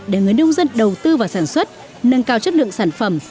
để người nông dân đầu tư vào sản xuất nâng cao chất lượng sản phẩm